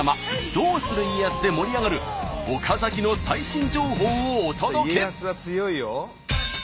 「どうする家康」で盛り上がる岡崎の最新情報をお届け。